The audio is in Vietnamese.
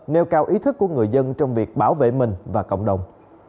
nêu cao ý thức của người dân trong việc bảo vệ mình và cộng đồng